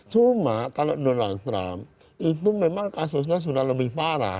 ya karena itu memang kasusnya sudah lebih parah